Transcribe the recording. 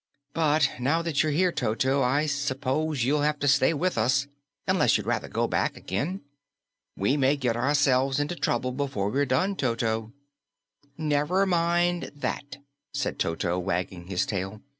But now that you're here, Toto, I s'pose you'll have to stay with us, unless you'd rather go back again. We may get ourselves into trouble before we're done, Toto." "Never mind that," said Toto, wagging his tail.